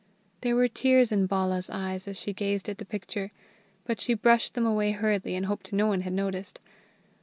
There were tears in Bala's eyes as she gazed at the picture, but she brushed them away hurriedly and hoped no one had noticed.